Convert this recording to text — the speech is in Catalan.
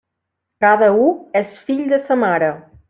Cada u és fill de sa mare.